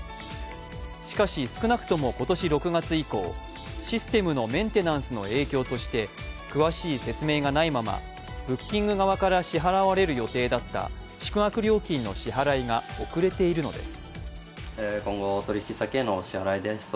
しかし、少なくとも今年６月以降、システムのメンテナンスの影響として詳しい説明がないままブッキング側から支払われるはずだった宿泊料金の支払いが遅れているのです。